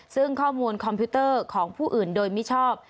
ซึ่งข้อมูลคอมพิวเตอร์ของผู้อื่นโดยมิชอบ